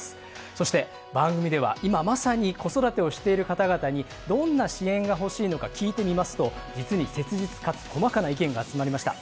そして番組では今まさに子育てをしている方々にどんな支援が欲しいのか聞いてみますと実に切実かつ細かな意見が集まりました。